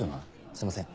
すいません。